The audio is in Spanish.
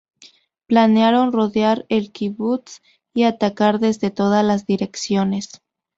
Planearon rodear el kibutz y atacar desde todas las direcciones.